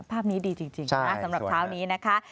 ภาพนี้ดีจริงนะสำหรับเช้านี้นะคะ